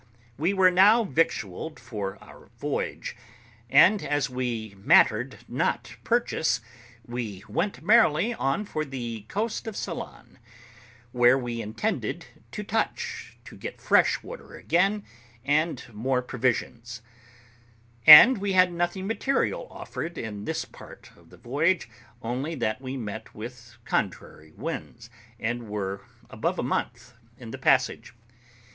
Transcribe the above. We were now victualled for our voyage; and, as we mattered not purchase, we went merrily on for the coast of Ceylon, where we intended to touch, to get fresh water again, and more provisions; and we had nothing material offered in this part of the voyage, only that we met with contrary winds, and were above a month in the passage.